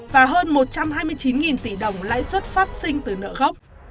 và hơn một trăm hai mươi chín tỷ đồng lãi suất phát sinh từ nợ gốc